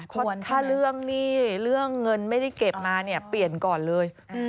เพราะถ้าเรื่องหนี้เรื่องเงินไม่ได้เก็บมาเนี่ยเปลี่ยนก่อนเลย